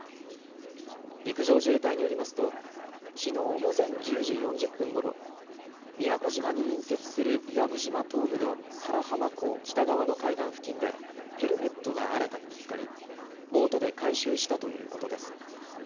陸上自衛隊によりますときのう午前１０時４０分ごろ、宮古島に隣接する伊良部島東部の佐良浜港北側の海岸付近でヘルメットが新たに見つかりボートで回収したということです。